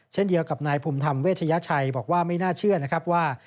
เช่นเดียวกับนายภูมิธรรมเวชยชัยบอกว่าไม่น่าเชื่อนะครับว่า